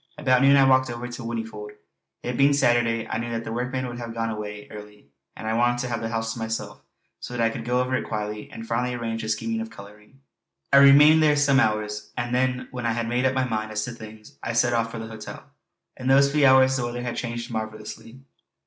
About noon I walked over to Whinnyfold; it being Saturday I knew that the workmen would have gone away early, and I wanted to have the house to myself so that I could go over it quietly and finally arrange the scheme of colouring. I remained there some hours, and then, when I had made up my mind as to things, I set off for the hotel. In those few hours the weather had changed marvellously.